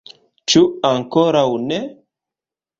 Ĉu ankoraŭ ne?